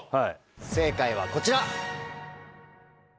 正解はこちら。